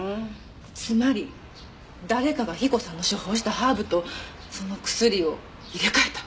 つまり誰かが彦さんの処方したハーブとその薬を入れ替えた？